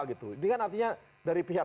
gitu ini kan artinya dari pihak